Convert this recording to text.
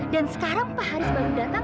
dan sekarang pak haris baru datang